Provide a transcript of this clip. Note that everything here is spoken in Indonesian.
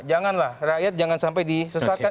janganlah rakyat jangan sampai disesatkan